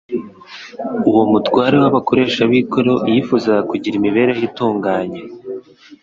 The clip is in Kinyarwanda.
Uwo mutware w'abakoresha b'ikoro yifuzaga kugira imibereho itunganye.